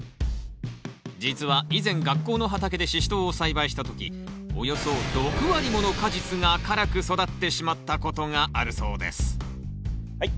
実は以前学校の畑でシシトウを栽培した時およそ６割もの果実が辛く育ってしまったことがあるそうですはい。